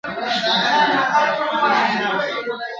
خپلو بچوړو ته په زرو سترګو زرو ژبو !.